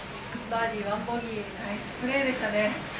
６バーディー１ボギーナイスプレーでしたね。